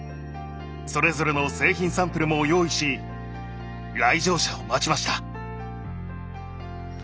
それぞれの製品サンプルも用意し来場者を待ちました。